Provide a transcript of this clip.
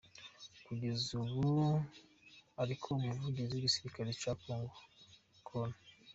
Kugeza ubu ariko Umuvugizi w’igisirikare cya Congo Col.